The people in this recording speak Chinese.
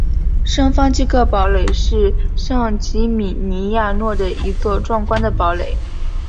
圣方济各堡垒是圣吉米尼亚诺的一座壮观的堡垒。